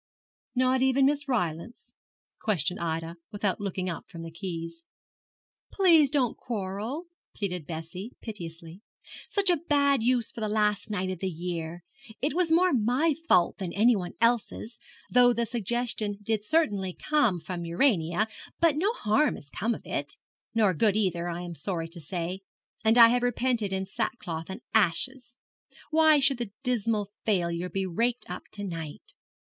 'Not even Miss Rylance?' questioned Ida, without looking up from the keys. 'Please don't quarrel,' pleaded Bessie, piteously; 'such a bad use for the last night of the year. It was more my fault than anyone else's, though the suggestion did certainly come from Urania but no harm has come of it nor good either, I am sorry to say and I have repented in sackcloth and ashes. Why should the dismal failure be raked up to night?'